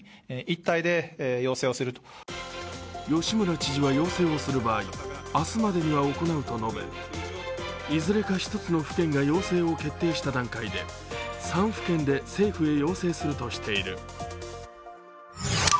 吉村知事は要請をする場合、明日までには行うと述べ、いずれか１つの府県が要請を決定した段階で３府県で政府へ要請するとしている。